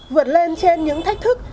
vượt lên trên những thách thức